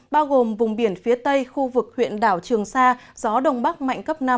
bao gồm vùng biển phía tây khu vực huyện đảo trường sa gió đông bắc mạnh cấp năm